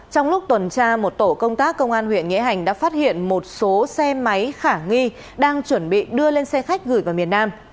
trong lúc tuần tra một tổ công tác công an huyện nghĩa hành đã phát hiện một số xe máy khả nghi đang chuẩn bị đưa lên xe khách gửi vào miền nam